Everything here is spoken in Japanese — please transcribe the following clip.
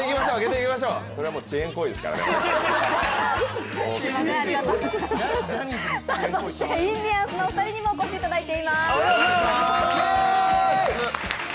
そしてインディアンスのお二人にもお越しいただいています。